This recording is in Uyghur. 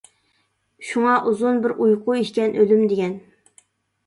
شۇڭا ئۇزۇن بىر ئۇيقۇ ئىكەن ئۆلۈم دېگەن.